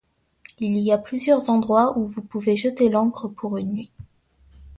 Il y a plusieurs endroits où vous pouvez jeter l’ancre pour une nuit.